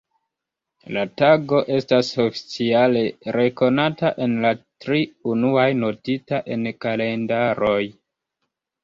La tago estas oficiale rekonata en la tri unuaj, notita en kalendaroj.